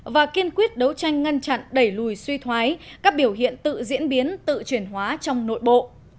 và kiên quyết đấu tranh ngăn chặn đẩy lùi suy thoái các biểu hiện tự diễn biến tự chuyển hóa trong nội bộ